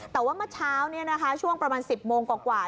แต่ว่าเมื่อเช้าเนี่ยนะคะช่วงประมาณ๑๐โมงกว่า